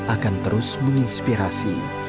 akan terus menginspirasi